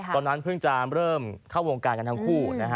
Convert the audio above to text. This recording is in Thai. ตอนนั้นเพิ่งจะเริ่มเข้าวงการกันทั้งคู่นะฮะ